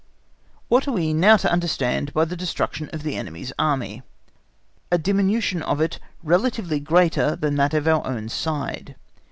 What are we now to understand by destruction of the enemy's Army? A diminution of it relatively greater than that on our own side.